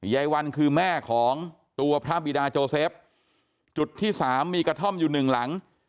ยายวันคือแม่ของตัวพระบิดาโจเซฟจุดที่สามมีกระท่อมอยู่หนึ่งหลัง